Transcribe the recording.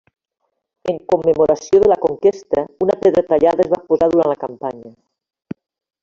En commemoració de la conquesta, una pedra tallada es va posar durant la campanya.